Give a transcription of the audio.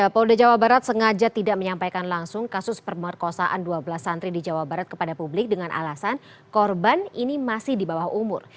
polda jawa barat sengaja tidak menyampaikan langsung kasus permorkosaan dua belas santri di jawa barat kepada publik dengan alasan korban ini masih di bawah umur